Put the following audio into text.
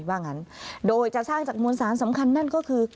ว่างั้นโดยจะสร้างจากมวลสารสำคัญนั่นก็คือ